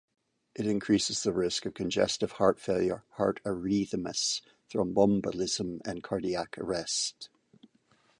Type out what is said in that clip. It increases the risk of congestive heart failure, heart arrhythmias, thromboembolism, and cardiac arrest.